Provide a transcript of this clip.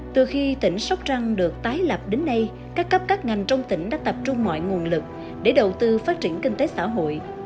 từ khi tỉnh sóc trăng được tái lập đến nay các cấp các ngành trong tỉnh đã tập trung mọi nguồn lực để đầu tư phát triển kinh tế xã hội